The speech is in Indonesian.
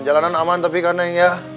jalanan aman tapi kan neng ya